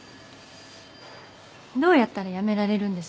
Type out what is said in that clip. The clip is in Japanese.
どうやったら辞められるんです？